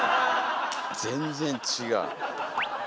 全然違う。